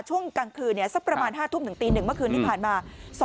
ช่วงกลางคืนสักประมาณ๕ทุ่มถึงตี๑เมื่อคืนที่ผ่านมา